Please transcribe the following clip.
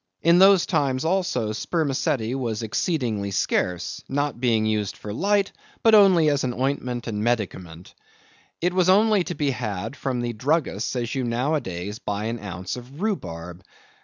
In those times, also, spermaceti was exceedingly scarce, not being used for light, but only as an ointment and medicament. It was only to be had from the druggists as you nowadays buy an ounce of rhubarb.